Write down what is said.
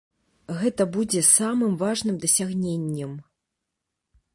Гэта будзе самым важным дасягненнем.